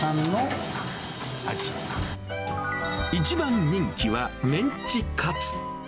一番人気はメンチカツ。